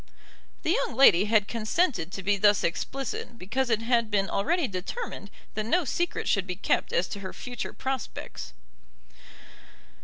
The young lady had consented to be thus explicit because it had been already determined that no secret should be kept as to her future prospects.